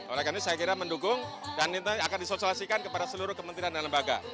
oleh karena ini saya kira mendukung dan akan disosialisikan kepada seluruh kementerian dan lembaga